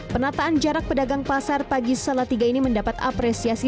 penataan jarak pedagang pasar pagi salatiga ini mendapat apresiasi